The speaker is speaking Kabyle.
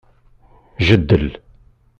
Jeddel.